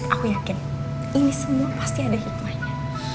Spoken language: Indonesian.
aku yakin ini semua pasti ada hikmahnya